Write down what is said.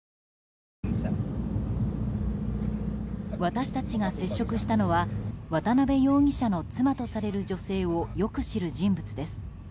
私たちが接触したのは渡邉容疑者の妻とされる女性をよく知る人物です。